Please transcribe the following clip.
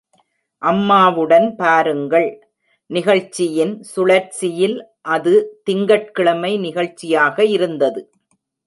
"அம்மாவுடன் பாருங்கள்" நிகழ்ச்சியின் சுழற்சியில் அது திங்கட்கிழமை நிகழ்ச்சியாக இருந்தது.